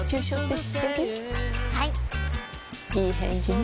いい返事ね